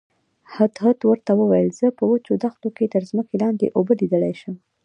هدهد ورته وویل زه په وچو دښتو کې تر ځمکې لاندې اوبه لیدلی شم.